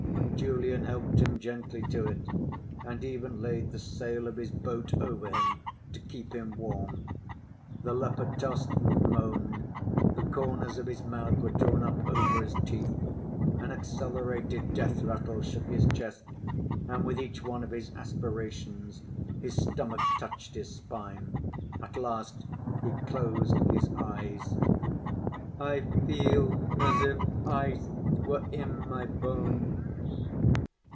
Julian helped him gently to it, and even laid the sail of his boat over him to keep him warm. The leper tossed and moaned. The corners of his mouth were drawn up over his teeth; an accelerated death rattle shook his chest and with each one of his aspirations, his stomach touched his spine. At last, he closed his eyes. "I feel as if ice were in my bones!